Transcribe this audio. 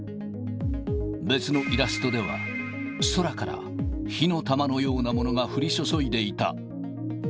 別のイラストでは、空から火の玉のようなものが降り注いでいた。